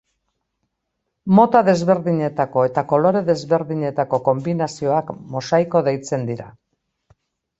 Mota desberdinetako eta kolore desberdinetako konbinazioak mosaiko deitzen dira.